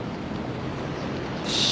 よし。